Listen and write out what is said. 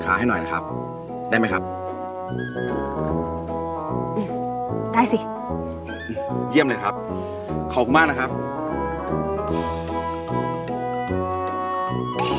ใครถอบนักก็มีอยู่ในเครื่องดิบใบ